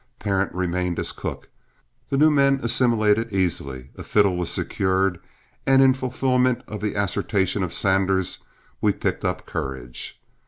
Parent remained as cook, the new men assimilated easily, a fiddle was secured, and in fulfillment of the assertion of Sanders, we picked up courage.